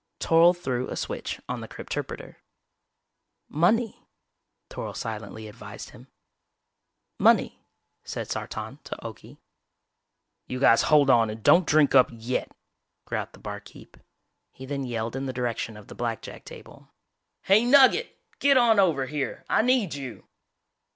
Toryl threw a switch on the crypterpreter. "Money," Toryl silently advised him. "Money," said Sartan to Okie. "You guys hold on and don't drink up yet," growled the barkeep. He then yelled in the direction of the blackjack table. "Hey, Nugget! Get on over here, I need you!!"